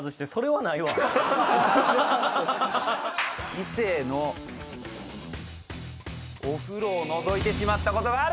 異性のお風呂をのぞいてしまったことがある。